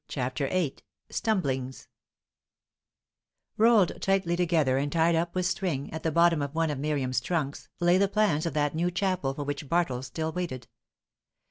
CHAPTER VIII STUMBLINGS Rolled tightly together, and tied up with string, at the bottom of one of Miriam's trunks lay the plans of that new chapel for which Bartles still waited.